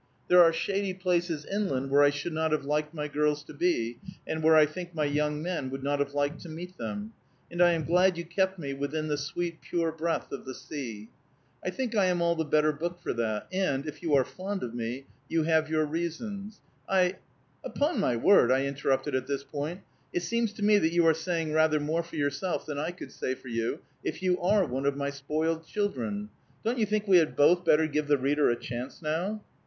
There are shady places inland where I should not have liked my girls to be, and where I think my young men would not have liked to meet them; and I am glad you kept me within the sweet, pure breath of the sea. I think I am all the better book for that, and, if you are fond of me, you have your reasons. I " "Upon my word," I interrupted at this point, "it seems to me that you are saying rather more for yourself than I could say for you, if you are one of my spoiled children. Don't you think we had both better give the reader a chance, now?"